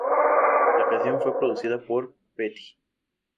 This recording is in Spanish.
La canción fue producida por Petty.